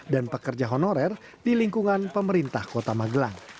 pekerja honorer di lingkungan pemerintah kota magelang